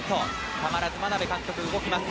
たまらず眞鍋監督が動きます。